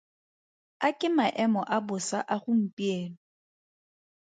A ke maemo a bosa a gompieno.